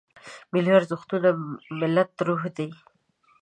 ملي ارزښت د ملت روح دی.